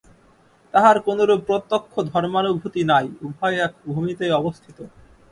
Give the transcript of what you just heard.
তাহার কোনরূপ প্রত্যক্ষ ধর্মানুভূতি নাই, উভয়ে এক ভূমিতেই অবস্থিত।